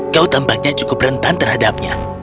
kau tampaknya cukup rentan terhadapnya